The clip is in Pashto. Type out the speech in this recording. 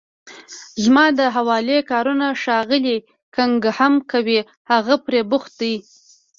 زما د حوالې کارونه ښاغلی کننګهم کوي، هغه پرې بوخت دی.